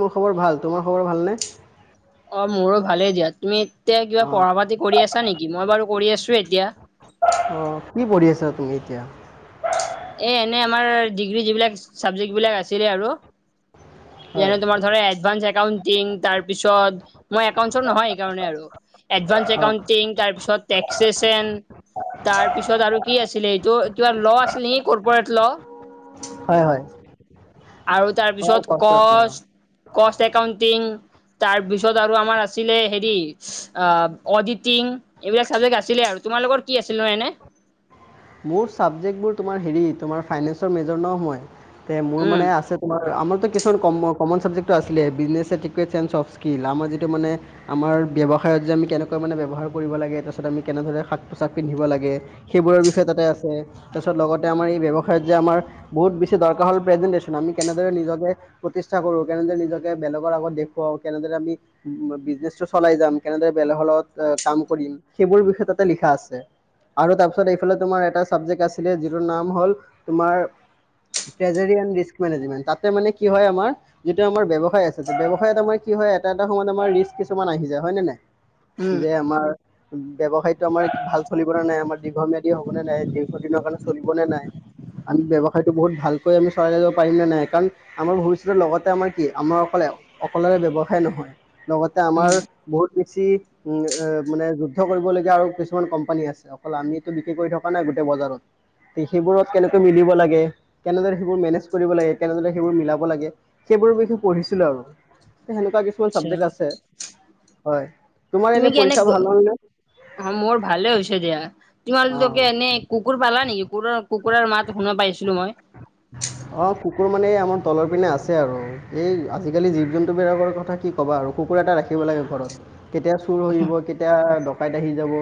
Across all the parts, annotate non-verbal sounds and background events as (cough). মোৰ খবৰ ভাল, তোমাৰ খবৰ ভালনে? অ' মোৰো ভালেই দিয়া। তুমি এতিয়া কিবা অ পঢ়া-পাতি কৰি আছা নেকি? মই বাৰু কৰি আছো এতিয়া। অ' কি পঢ়ি আছা তুমি এতিয়া? এ এনে আমাৰ ডিগ্ৰী যিবিলাক চাবজেক্ট বিলাক আছিলে আৰু। হয় যেনে তোমাৰ ধৰা এডভান্স একাউন্টিং, তাৰপিছত মই একাউন্টচৰ নহয় সেইকাৰণে আৰু। এডভান্স অ একাউন্টিং তাৰপিছত টেক্সেছ এণ্ড তাৰ পিছত আৰু কি আছিলে এইটো কিবা ল' আছিলে নেকি, কৰ্প'ৰেট ল'। হয় হয় (inaudible) আৰু তাৰ অ পিছত কৰ্পৰেট ল কস্ত, কস্ত একাউণ্টিং। তাৰপিছত আৰু আমাৰ আছিলে হেৰি অডিটিং। এইবিলাক চাবজেক্ট আছিলে আৰু তোমালোকৰ কি আছিল নহয় এনে? মোৰ চাবজেক্টবোৰ তোমাৰ হেৰি, তোমাৰ ফাইনেন্সৰ মেজৰ নহয়। তে মোৰ উম মানে আছে আমাৰতো কিছুমান কম-কমন চাবজেক্টটো আছিলে, বুচ্চিনেছ এণ্ড ট্ৰিকাষ্ণ্ড চেন্স অফ স্কিল, আমাৰ যিটো মানে আমাৰ ব্যৱসায়ত যে আমি কেনেকুৱা মানে ব্যৱহাৰ কৰিব লাগে, তাৰপিছত আমি কেনেধৰণে সাজ পোছাক পিন্ধিব লাগে। সেইবোৰৰ বিষয়ে তাতে আছে, তাৰপিছত লগতে আমাৰ এই ব্যৱসায়ত যে আমাৰ বহুত বেছি দৰকাৰ হ'ল প্ৰেজেন্টেশচন, আমি কেনেদৰে নিজকে প্ৰতিষ্ঠা কৰোঁ কেনেদৰে নিজকে বেলেগৰ আগত দেখুৱাও কেনেদৰে আমি বিজনেচটো চলাই যাম কেনেদৰে বেলেগৰ লগত কাম কৰিম সেইবোৰ বিষয়ে তাতে লিখা আছে আৰু তাৰপিছত এইফালে তোমাৰ এটা চাবজেক্ট আছিলে যিটোৰ নাম হ'ল তোমাৰ ট্ৰেজাৰী এণ্ড ৰিছ মেনেজমেণ্ট তাতে মানে কি হয় আমাৰ যিটো আমাৰ ব্যয়ৱায় আছে ব্যৱসায়ত আমাৰ কি হয় এটা এটা সময়ত আমাৰ ৰিক্স কিছুমান আহি যায় হয় নে উম নাই যে আমাৰ ব্যৱসায়টো আমাৰ ভাল চলিব না নাই আমাৰ দীৰ্ঘমীয়া হ'ব নে নাই দীৰ্ঘ দিনৰ কাৰণে চলিব নে নাই আমি ব্যৱসায়টো বহুত ভালকৈ আমি চলাই যাব পাৰিম নে নাই কাৰণ আমাৰ ভৱিষ্যতৰ লগতে আমাৰ কি আমাৰ অকলে অকলেৰে ব্যৱসায় নহয় লগতে আমাৰ বহুত বেছি উম মানে যুদ্ধ কৰিবলগীয়া আৰু কিছুমান কোম্পানী আছে অকল আমি টো বিক্ৰী কৰি থকা নাই গোটেই বজাৰত সেইবোৰত কেনেকৈ মিলিব লাগে কেনেদৰে সেইবোৰ মেনেজ কৰিব লাগে কেনেদৰে সেইবোৰ মিলাব লাগে সেইবোৰৰ বিষয়ে পঢ়িছিলোঁ আৰু সেনেকুৱা কিছু কিছুমান আচ্ছা চাবজেক্ট আছে হয় তোমাৰ তুমি কি এনেই এনে পৰীক্ষা ভাল হ'ল নে? অ মোৰ ভালে হৈছে দিয়া অ', তোমালোকে এনে কুকুৰ পালা নেকি কুকুৰৰ কুকুৰৰ মাত শুনা পাইছিলোঁ মই (unintelligible) অ কুকুৰ মানে আমাৰ তলৰ পিনে আছে আৰু এই আজিকালি জীৱ জন্তু বিলাকৰ কথা কি ক'বা আৰু কুকুৰ এটা ৰাখিব লাগে ঘৰত কেতিয়া চুৰ হৈব কেতিয়া ডকাইত আহি যাব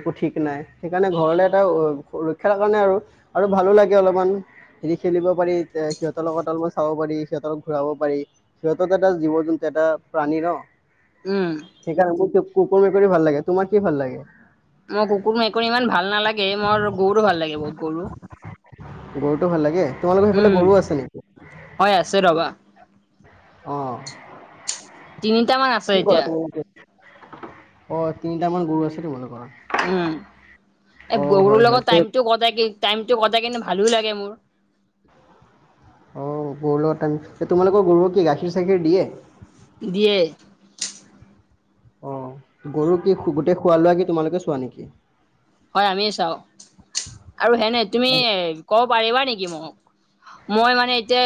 একো ঠিক নাই সেইকাৰণে ঘৰলৈ এটা সুৰক্ষাৰ কাৰণে আৰু আৰু ভালোঁ লাগে অলপমান খেলি খেলিব পাৰি এ সিহঁতৰ লগত অলপ চাব পাৰি সিহঁতক ঘূৰাব পাৰি সিহঁতক এটা জীৱ জন্তু এটা প্ৰাণী ন উম সেইকাৰণে মোৰ কুকুৰ মেকুৰী ভাল লাগে তোমাৰ কি ভাল লাগে মোৰ কুকুৰ মেকুৰী ইমান ভাল নালাগে মোৰ গৰু ভাল লাগে বহুত গৰু গৰুটো ভাল লাগে তোমালোকৰ সেইফালে উম গৰু আছে নেকি হয় আছে ৰবা অ তিনিটা মান আছে কি এতিয়া কৰা তোমালোকে অ তিনিটামান গৰু আছে তোমালোকৰ উম এ অ', হয় গৰুৰ হয় লগত তে টাইমটো কটাই কি টাইমটো কটাই কিনে ভালো লাগে মোৰ অ গৰু লগত টাইম তোমালোকৰ গৰু কি গাখীৰ চাখীৰ দিয়ে দিয়ে অ গৰু কি গোটেই খোৱা লোৱা কি তোমালোকে চোৱা নেকি হয় আমিয়ে চাওঁ আৰু সেনে তুমি ক'ব পাৰিবা নেকি মোক মই মানে এতিয়া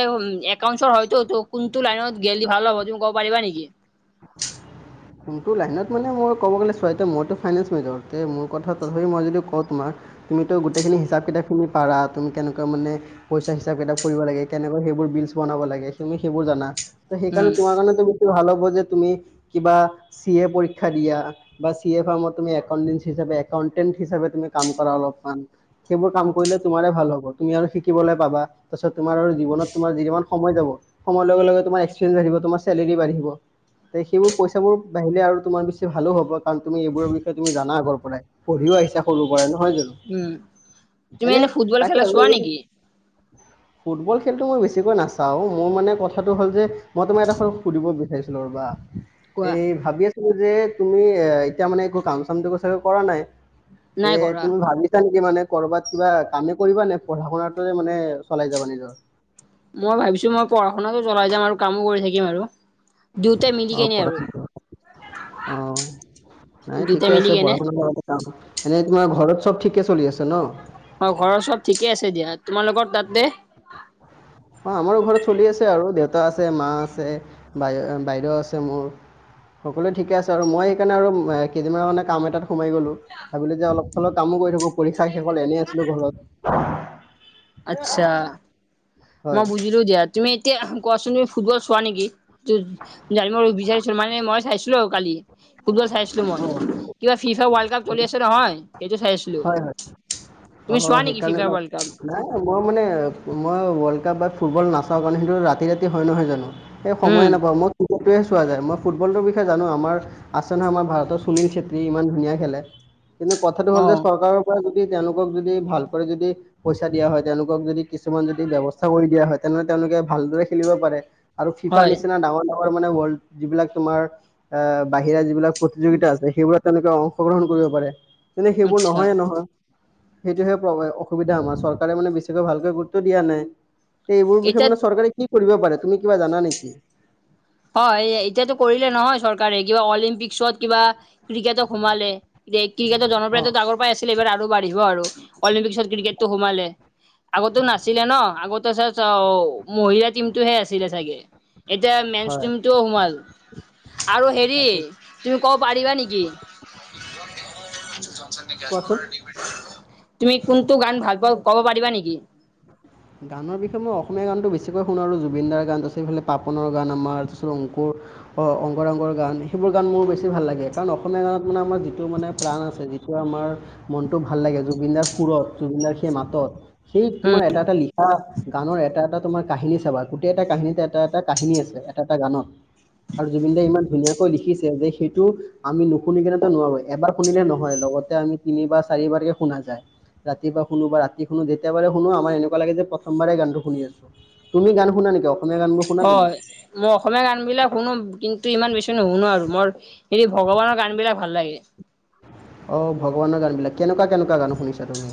একাউন্টছৰ হয়তো কোনটো লাইনত গেলি ভাল হ'ব তুমি ক'ব পাৰিবা নেকি (inaudible) কোনটো লাইনত মানে মই ক'ব গ'লে চোৱা মইটো ফাইনেন্স মেজৰতে মোৰ কথা মই যদি কওঁ তোমাৰ তুমিতো গোটেইখিনি হিচাপ কিতাপখিনি পাৰ তুমি কেনেকুৱা মানে পইচা হিচাপ কিতাপ কৰিব লাগে কেনেকৈ সেইবোৰ বিলচ বনাব লাগে তুমি সেইবোৰ জানা ত সেইকাৰণে উম, তোমাৰ কাৰণেটো বেছি ভাল হ'ব যে তুমি কিবা চি এ পৰীক্ষা দিয়া বা চি এ ফাম তুমি একাউণ্টেন হিচাপে একাউটেণ্ট হিচাপে তুমি কাম কৰা অলপমান সেইবোৰ কাম কৰিলে তোমাৰে ভাল হ'ব তুমি আৰু শিকিবলে পাবা তাৰপিছত তোমাৰ আৰু জীৱনত তোমাৰ যিমান সময় যাব সময় লগে লগে তোমাৰ এক্সপয়েঞ্চ বাঢ়িব তোমাৰ চেলেৰি বাঢ়িব তে সেইবোৰ পইচাবোৰ বাঢ়িলে আৰু তোমাৰ বেছি ভালো হব কাৰণ তুমি এইবোৰবিষয়ে তুমি জানা আগৰ পৰাই পঢ়িও আহিছা সৰুৰ পৰাই নহয় জানো উম, তুমি এনে ফুটবল খেলা তাকে আৰু চোৱা এই নেকি? (inaudible) ফুটবল খেলটো মই বেছিকৈ নাচাও মোৰ মানে কথাটো হ'ল যে মই তোমাৰ এটা সুধিব বিচাৰিছিলো ৰবা কোৱা এই ভাবি আ ছিলো যে তুমি এ এতিয়া মানে একো কাম চামটো চাগে কৰা নাই তে নাই কৰা। তুমি ভাবি ছা নেকি মানে কৰবাত কিবা কামে কৰিবা নে পঢ়া শুনাটোয়ে মানে চলাই যাবা নিজৰ? মই ভাবিছো মই পঢ়া শুনাটো চলাই যাম আৰু কামো কৰি থাকিম আৰু। দুইটাই মিলি অ কেনে পঢ়া আৰু শুনা অ (unintelligible) নাই দুয়োটাই ঠিকে মিলি আছে পঢ়া কেনে শুনা ঘৰতে কাম এনে তোমাৰ ঘৰত চব ঠিকে চলি আছে ন? অ ঘৰৰ চব ঠিকে আছে দিয়া, তোমাৰালোকৰ তাতে? অ আমাৰো ঘৰত চলি আছে আৰু দেউতা আছে মা আছে বাই বাইদেউ আছে মোৰ সকলোৱে ঠিকে আছে আৰু মই সেইকাৰণে আৰু কেইদিনমান মানে কাম এটাত সোমাই গ'লো। ভাবিলো যে অলপ অলপ কামো কৰি থাকো পৰীক্ষা শেষ হ'ল এনেই আছিলো ঘৰত। আত্চ্ছা। হয় মই বুজিলো দিয়া তুমি এতিয়া কোৱাচোন তুমি ফুটবল চোৱা নেকি? তুদ জানিব বিচাৰিছো মানে মই চাইছিলো কালি। ফুটবল চাইছিলো মই অঁ কিবা ফিফা ৱৰ্লড কাপ চলি আছে নহয় সেইটো চাইছিলো। হয় হয় অ সেইকাৰণে ন, নাই। মই মানে মই ৱৰ্ল্ড কাপ বা ফুটবল নাচাও কাণে সেইটো ৰাতি ৰাতি হয় নহয় জানো? সে উম, সময় নাপাওঁ মই ক্ৰিকেটোহেজ চোৱা যায় মই ফুটবলটোৰ বিষয়ে জানো আমাৰ আছে নহয় আমাৰ ভাৰতৰ সুনীল ছেত্ৰী ইমান ধুনীয়া খেলে। কিন্তু কথাটো হ'ল যে অ' চৰকাৰৰ পৰা যদি তেওঁলোকক যদি ভাল কৰি যদি পইচা দিয়া হয় তেওঁলোকক যদি কিছুমান যদি ব্যৱস্থা কৰি দিয়া হয় তেনেহ'লে তেওঁলোকে ভালদৰে খেলিব পাৰে। আৰু ফিফাৰ হয় নিচিনা ডাঙৰ ডাঙৰ মানে ৱৰ্ল্ড যিবিলাক তোমাৰ এ বাহিৰা যিবিলাক প্ৰতিযোগিতা আছে সেইবোৰত তেওঁলোকে অংশগ্ৰহণ কৰিব পাৰে, তেনে সেইবোৰ আচ্ছা। নহয়ে নহয়। সেইটোহে অসুবিধা আমাৰ চৰকাৰে মানে বেছিকৈ ভালকৈ গুৰুত্ব দিয়া নাই। এইবোৰৰ বিষয়ে এতিয়া মানে চৰকাৰে কি কৰিব পাৰে তুমি কিবা জানা নেকি? হয় এতিয়াটো কৰিলে নহয় চৰকাৰে কিবা অলিম্পিকসত কিবা ক্ৰিকেটক সোমালে। এ ক্ৰিকেটৰ অ জনপ্ৰিয়তাটো আগৰ পৰাই আছিলে এইবাৰ আৰু বাঢ়িব আৰু অলিম্পিকসত ক্ৰিকেটো সোমালে। আগতে নাছিলে ন, আগতে চা চ মহিলা টিমটোহে আছিলে চাগে। এতিয়া মে হয় টিমটো সোমাল আৰু হেৰি তাকে তুমি ক'ব পাৰিবা নেকি কোৱাচোন। (unintelligible) তুমি কোনটো গান ভাল পাওঁ ক'ব পাৰিবা নেকি? গানৰ বিষয়ে মই অসমীয়া গানটো বেছিকৈ শুনো, জুবিনদাৰ গান আছে, এইফালে পাপনৰ গান আমাৰ তাৰপিছত অংকুৰ অ অংগৰা অংগৰ গান সেইবোৰ গান মোৰ বেছ ছি ভাল লাগে কাৰণ অসমীয়া গানত মানে আমাৰ যিটো মানে প্ৰাণ আছে যিটো আমাৰ মনটো ভাল লাগে জুবিন দাৰ সুৰত জুবিনদাৰ সেই মাতত সেই উম তোমাৰ এটা এটা লিখ খা গানৰ এটা এটা তোমাৰ কাহিনী চাবা গোটেই এটা কাহিনীতে এটা এটা কাহিনী আছে এটা এটা গানত। আৰু জুবিনদে ইমান ধুনীয়াকৈ লিখিছে যে সেইটো আমি নুশুনিগিনেটো নোৱাৰো এবাৰ শুনিলে নহয় লগত তে আমি তিনিবাৰ চাৰিবাৰ কে শুনা যায় ৰাতিপুৱা শুনো বা ৰাতি শুনো যেতিয়া বাৰে শুনো আমাৰ এনেকুৱা লাগে যে প্ৰথমবাৰেই গানটো শুনি আছো। তুমি গান শুনা নেকি অসমীয়া গানবোৰ শুনা তুমি? হয় মই অসমীয়া গানবিলাক শুনো কিন্তু ইমান বেছি নুশুনো আৰু মৰ সেই ভগৱানৰ গানবিলাক ভাল লাগে। অ ভগৱানৰ গানবিলাক কেনেকুৱা কেনেকুৱা গান শুনিছা তুমি?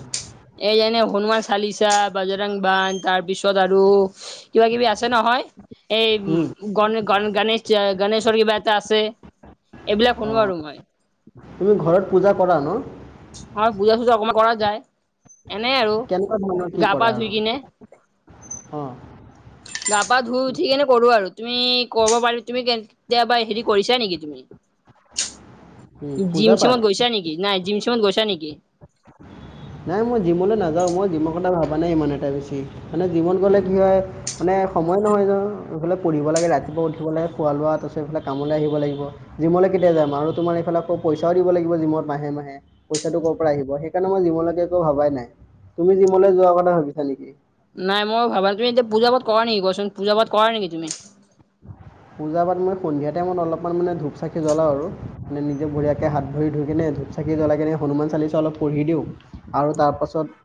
এই যেনে হনুমান চালিচা, বাজৰাং বান্ধ তাৰপিছত আৰু কিবা কিবি আছে নহয়। উম এই গণ গ গণেশ গণেশৰ কিবা এটা আছে। এইবিলাক অ শুনো আৰু মই। তুমি ঘৰত পূজা কৰা ন? হয় বুজা চুজা অকমান কৰা যায় এনে আৰু গা পা ধুই কিনে। অঁ গা পা ধুই উঠি কেনে কৰো আৰু। তুমি ক'ব পাৰি তুমি কেতিয়াবা হেৰি কৰিছা নেকি তুমি? (inaudible) জিম পূজা পাঠ চিমত গৈছা নেকি নাই জিম চিমত গৈছা নেকি? নাই মই জিমলৈ নাযাওঁ মই জিমৰ কথা ভবা নাই ইমান এটা বেছি। মানে জিমত গ'লে কি হয়- মানে সময় নহয় ন। এইফালে পঢ়িব লাগে ৰাতিপুৱা উঠিব লাগে খোৱা লোৱাত আছে এইফালে কামলৈ আহিব লাগিব। জিমলৈ কেতিয়া যাম? আৰু তোমাৰ এইফালে আকৌ পইচাও দিব লাগিব জিমত মাহে মাহে। পইচাটো ক'ৰ পৰা আহিব? সেইকাৰণে মই জিমলৈকে একো ভবাই নাই। তুমি জিমলৈ যোৱাৰ কথা ভাবিছা নেকি? নাই মই ভাবা। তুমি পূজা পাত কৰা নেকি কোৱাচোন? পূজা পাত কৰা নেকি তুমি? (inaudible) পূজা পাত মই সন্ধিয়া টাইমত অলপমান মানে ধূপ চাকি জ্বলাওঁ আৰু মানে নিজে বঢ়ীয়াকে হাত ভৰি ধুই কিনে ধূপ চা- চাকি জ্বলাই কিনে হনুমান চালিচা অলপ পঢ়ি দিওঁ আৰু তাৰ পাছত-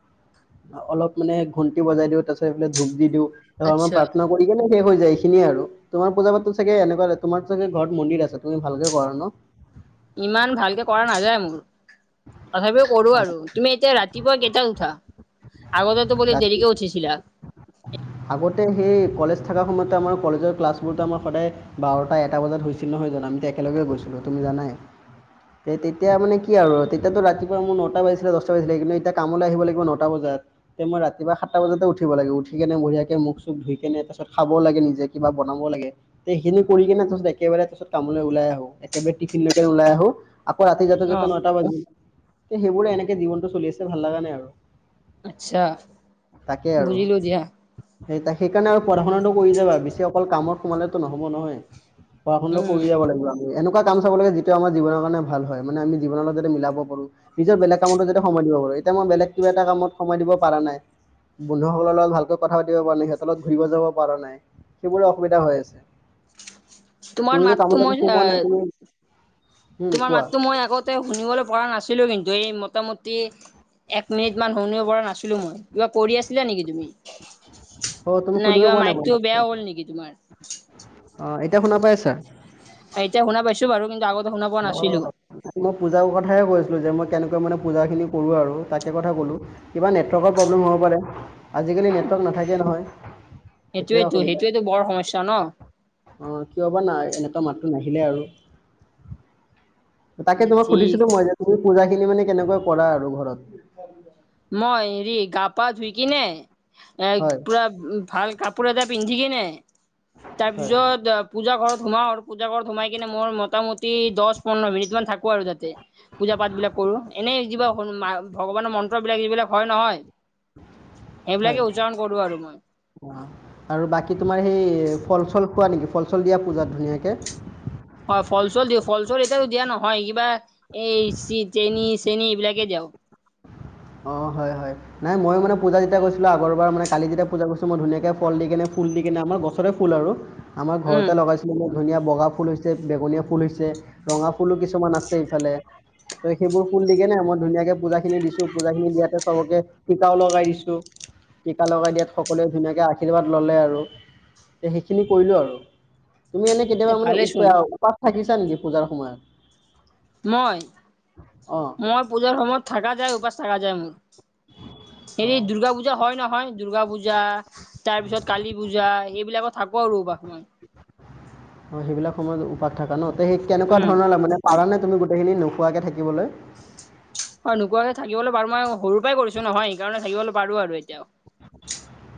অলপ মানে ঘণ্টি বজাই দিওঁ তাৰ পিছত এইফালে ধূপ দি দিওঁ। অলপ আচ্ছা প্ৰাৰ্থনা কৰি কেনে শেষ হৈ যায় এইখিনিয়ে আৰু। তোমাৰ পূজা পাতটো চাগে এনেকা তোমাৰ চাগে ঘৰত মন্দিৰ আছে। তুমি ভালকে কৰা ন? ইমান ভালকে কৰা নাযায় মোৰ। তথাপিও কৰো অ, আৰু। তুমি এতিয়া ৰাতিপুৱা কেইটাত উঠা? আগতেতো বোলে ৰাতি দেৰীকে উঠিছিলা। আগতে সেই কলেজ থকা সময়ত আমাৰ কলেজৰ ক্লাছবোৰত আমাৰ সদায়- বাৰটা এটা বজাত হৈছিল নহয় জানো আমি একেলগে গৈছিলো তুমি জানাই। তেতিয়া মানে কি আৰু? এতিয়াটো ৰাতিপুৱা মোৰ নটা বাজিছিলে দটা বাজিছিলে কিন্তু, এতিয়া কামলৈ আহিব লাগিব নটা বজাত। তে মই ৰাতিপুৱা সাতটা বজাতে উঠিব লাগিব। উঠি কেনে বঢ়িয়াকে মুখ চুখ ধুইকিনে তাৰপাত খাবও লাগে নিজে কিবা বনাব লাগে। তে সেইখিনি কৰি কিনে একেবাৰে তাৰছত কামলৈ ওলাই আহো একেবাৰে টিফিন লৈকে ওলাই আহো। আকৌ ৰাতি যাত অ যাতে নটা বাজিই। ত সেইবোৰে এনেকে জীৱনটো চলি আছে ভাল লগা নাই আৰু। আচ্ছা তাকে আৰু বুজিলো দিয়া। সেই তাক সেইকাৰণে আৰু পঢ়া শুনাটো কৰি যাবা বেছি অকল কামত সোমালেতো নহব নহয়। পঢ় শুনটো উম কৰি যাব লাগিব। এনেকুৱা কাম চাব লাগে যিটো আমাৰ জীৱনৰ কাৰে ভাল হয়। মানে আমি জীৱনৰ লগত যাতে মিলাব- পাৰোঁ। নিজৰ বেলেগ কামতো যাতে সময় দিব পাৰো। এতিয়া মই বেলেগ কিবা এটা কামত সময় দিব পৰা নাই। বন্ধুসকলৰ লগত ভালকৈ কথা পাতিব পৰা নাই, সিহঁত লগত ঘূৰিব যাব পৰা নাই সেইবোৰো অসুবিধা হৈ আছে। তোমাৰ তুমি যে মাতটো কাম মই কৰিব খুব মন ন তুমি- হুম তোমাৰ কোৱা মাতো মই আগত- এ শুনিবলৈ পৰা নাছিলোঁ কিন্তু এই মোটামুটি এক মিনিটমান শুনিব পৰা নাছিলোঁ মই। কিবা কৰি আছিলা নেকি তুমি? অঁ তুমি নাই শুনিব কিবা পোৱা মোৰ মাইকটো মাতটো বেয়া হ'ল নেকি তোমাৰ? অঁ, এতিয়া শুনা পাইছা? এতিয়া শুনা পাইছো বাৰু কিন্তু আগত- অঁ মই পূজাৰ কথাহে কৈছিলো, যে মই কেনেকৈ মানে পূজা খিনি কৰো আৰু তাকে কথা কলো। কিবা নেটৱৰ্কৰ প্ৰব্লেম হ'ব পাৰে। আজিকালি নেটৱৰ্ক নাথাকে নহয়। সেইটোহে সেইটোয়েটো অসুবিধা সেইটোয়েটো বৰ সমস্যা ন। অ' কিয় বা নাই এনেকুৱা মাতটো নাহিলে আৰু। তাকে তোমাক ঠিক সুধিছিলো মই যে তুমি পূজা খিনি মানে কেনেকুৱা কৰা আৰু ঘৰত? মই হেৰি গা পা ধুই কিনে এ হয়, পুৰা উ ভাল কাপোৰ এটা পিন্ধি কিনে, হয়, তাৰপিছত পূজা ঘৰত সোমাওঁ আৰু পূজা ঘৰত সোমাই কিনে মই মোটামুটি দহ পোন্ধৰ মিনিট মান থাকো আৰু তাতে। পূজা পাত বিলাক কৰো এনেই কিবা ভগৱানৰ মন্ত্ৰ বিলাক যিবিলাক হয় নহয় হয়। সেইবিলাকে উচ্চাৰণ কৰো আৰু মই। আৰু বাকী তোমাৰ সেই ফল চল খোৱা নেকি ফল চল দিয়া পূজাত ধুনীয়াকে? হয় ফল চল দিওঁ, ফল চল এতিয়া দিয়া নহয় কিবা এই চেনি চেনি এইবিলাকে দিওঁ। অ' হয়, হয়। নাই মই মানে পূজা যেতিয় কৰিছিলো আগৰ বাৰ মানে কালি যেতিয়া পুজা কৰিছো মই ধুনীয়াকে ফল দি কেনে ফুল দি কেনে আমাৰ গছ ৰে ফুল আৰু, আমাৰ উম ঘৰতে লগাইছো এনে ধুনীয়া বগা ফুল হৈছে, বেঙনীয়া ফুল হৈছে, ৰঙা ফুলো কিছুমান আছে ইফালে ত সেইবোৰ ফুল দি কিনে মই ধুনীয়াকে পুজা খিনি দিছো। পূজা খিনি দিয়াতে চবকে টিকাও লগাই দিছো। টিকা লগাই দিয়াত সকলোৱে ধুনীয়াকে আশীৰ্বাদ ল'লে আৰু। তে সেইখিনি কৰিলো আৰু। তুমি এনে কেতিয়াবা মানে ভালেচোন উপবাস থাকিছা নেকি পূজাৰ সময়ত? মই, অঁ মই পূজাৰ সময়ত থকা যায় উপবাস থকা যায় মোৰ। হেৰি অঁ দুৰ্গা পূজা পূজা হয় নহয়, দূৰ্গা পূজা তাৰ পিছত কালী পূজা এইবিলাকত থাকো আৰু উপবাস মই। অ' সেইবিলাক সময়ত উপবাস থকা ন? তে সেই কেনেকুৱা উম ধৰণৰ মানে কাৰণে তুমি গোটেইখিনি নোখোৱাকে থাকিবলৈ? হয়। নোখোৱাকে থাকলৈ পাৰো, মই সৰুৰ পৰাই কৰিছো নহয় সেইকাৰণে থাকিবলৈ পাৰো আৰু এতিয়াও।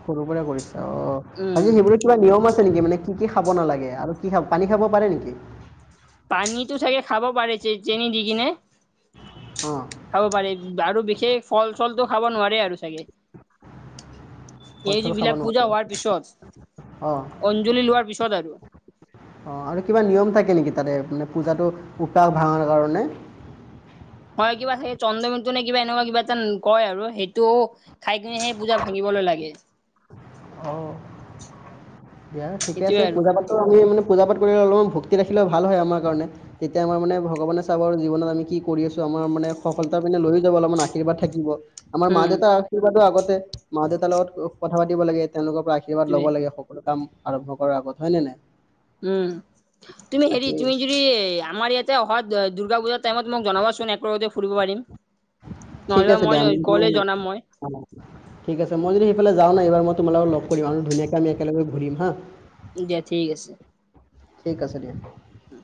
সৰুৰ পৰাই কৰিছা অ', উম বাকী সেইবো কিবা নিয়ম আছে নেকি মানে কি কি খাব নালাগে আৰু কি খাব পানী খাব পাৰে নেকি? পানীটো চাগে খাব পাৰে চে চেনি দি কিনে। অঁ খাব পাৰি, আৰু বিশেষ ফল চলটো খাব নোৱাৰে আৰু চাগে। ফল এই চল যে খাব বিলাক পূজা নোৱাৰে হোৱাৰ পিছত অঁ অঞ্জলি লোৱাৰ পিছত আৰু অঁ আৰু কিবা নিয়ম থাকে নেকি তাতে মানে পূজাটো উপবাস ভাঙাৰ কাৰণে? মই কিবা সেই চন্দ্ৰ মিতু নে কিবা এনেকুৱা কিবা এটা কয় আৰু। সেইটো খাই কিনেহে পূজা ভাঙিবলৈ লাগে। অ'। দিয়া ঠিকে আছে সেইটোয়ে আৰু পূজাটো আমি মানে পূজা পাঠ কৰিলে অলপমান ভক্তি ৰাখিলে ভাল হয় আমাৰ কাৰণে। তেতিয়া আমাৰ মানে ভগৱানে চাব, আৰু জীৱনত আমি কি কৰি আছো আমাৰ মানে সফলতাৰ পিনে লৈয়ও যাব অলপমান আশীৰ্বাদ থাকিব। আমাৰ মা উম দেউতাৰ আশীৰ্বাদো আগতে মা দেউতাৰ লগত কথা পাতিব লাগে তেওঁলোকৰ পৰা আশীৰ্বাদ ল'ব সেইটোৱে লাগে। কিবা কাম আৰম্ভ কৰাৰ আগত হয় ন নাই? উম, তুমি হেৰি তাকেই তুমি যদি তুমি আমাৰ ইয়াতে অহা দ দুৰ্গা পুজাৰ টাইমত মোক জনাবাচোন একেলগতে ফুৰিব পাৰিম? ঠিক নহ'লেবা আছে মই দিয়া গ'লে জনাম মই আ ঠিক আছে মই যদি সেইফালে যাওঁ না এইবাৰ মই তোমালোকক লগ কৰিম আৰু ধুনীয়াকে আমি একেলগে ঘূৰিম হা'। দিয়া ঠিক আছে। ঠিক আছে দিয়া। উম